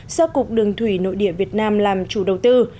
do cục đường thủy nội địa việt nam làm chủ đầu tư